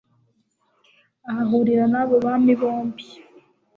ahahurira n'abo bami bombi